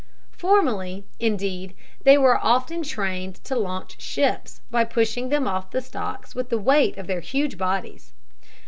Formerly, indeed, they were often trained to launch ships, by pushing them off the stocks with the weight of their huge bodies.